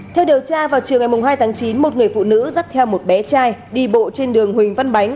theo điều tra vào chiều ngày hai tháng chín một người phụ nữ dắt theo một bé trai đi bộ trên đường huỳnh văn bánh